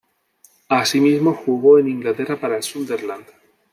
Asimismo jugó en Inglaterra para el Sunderland.